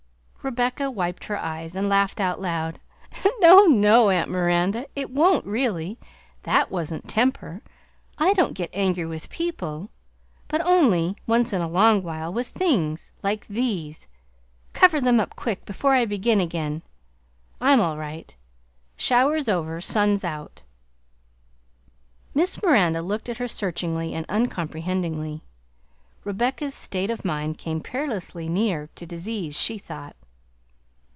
Rebecca wiped her eyes and laughed aloud. "No, no, Aunt Miranda, it won't, really! That wasn't temper; I don't get angry with PEOPLE; but only, once in a long while, with things; like those, cover them up quick before I begin again! I'm all right! Shower's over, sun's out!" Miss Miranda looked at her searchingly and uncomprehendingly. Rebecca's state of mind came perilously near to disease, she thought.